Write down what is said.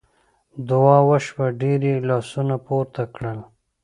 دعا وشوه ډېر یې لاسونه پورته کړل.